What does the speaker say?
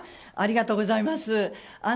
ありがとうございます。